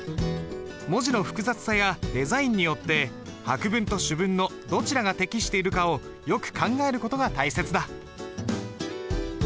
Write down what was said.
文字の複雑さやデザインによって白文と朱文のどちらが適しているかをよく考える事が大切だ。